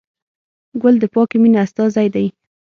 ګل د پاکې مینې استازی دی.